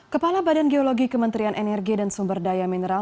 kepala badan geologi kementerian energi dan sumber daya mineral